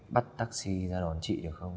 bắt taxi ra đón chị được không